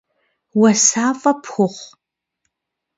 Уасафӏэ пхухъу.